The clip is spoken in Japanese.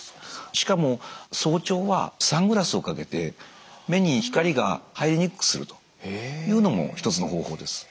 しかも早朝はサングラスをかけて目に光が入りにくくするというのも一つの方法です。